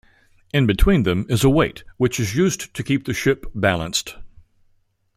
In between them is a weight, which is used to keep the ship balanced.